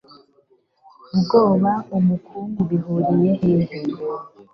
Ubwoba umukungugu bihuriye hehe